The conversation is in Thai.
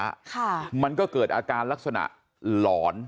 ค่ะมันก็เกิดอาการลักษณะหลอน